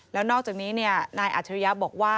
แล้วนอกจากนี้นายอาทิวยาบอกว่า